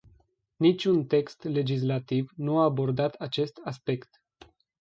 Niciun text legislativ nu a abordat acest aspect.